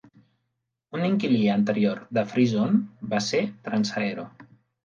Un inquilí anterior de Free Zone va ser Transaero.